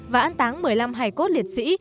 và an táng một mươi năm hải cốt liệt sĩ